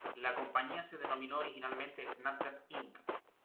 La compañía se denominó originalmente Snapchat Inc.